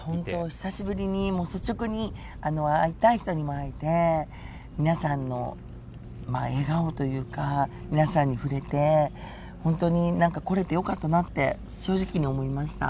久しぶりに率直に会いたい人にも会えて皆さんの笑顔というか皆さんに触れて本当に来れてよかったなって正直に思いました。